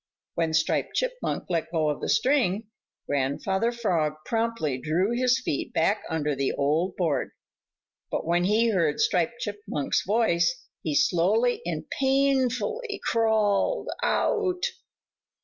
When Striped Chipmunk let go of the string, Grandfather Frog promptly drew his feet back under the old board, but when he heard Striped Chipmunk's voice, he slowly and painfully crawled out.